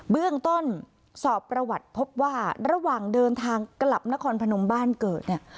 เบื้องต้นสอบประวัติพบว่าระหว่างเดินทางกลับนครพนมบ้านเกิดเนี่ย